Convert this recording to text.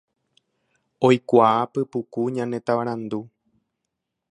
Oikuaa pypuku ñane tavarandu